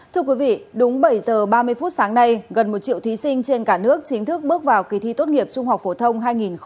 thưa quý vị đúng bảy giờ ba mươi phút sáng nay gần một triệu thí sinh trên cả nước chính thức bước vào kỳ thi tốt nghiệp trung học phổ thông hai nghìn hai mươi